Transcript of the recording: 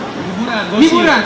mantap harus bangga dong